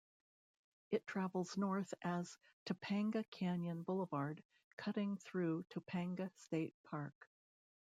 It travels north as Topanga Canyon Boulevard, cutting through Topanga State Park.